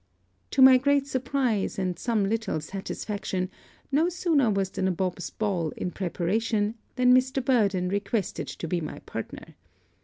To my great surprise, and some little satisfaction, no sooner was the Nabob's ball in preparation than Mr. Murden requested to be my partner.